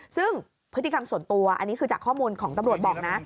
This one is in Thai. ซึ่งพฤติกรรมส่วนตัวอันนี้คือจากข้อมูลของตำรวจบอกนะ